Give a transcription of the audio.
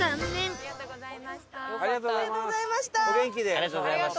ありがとうございます。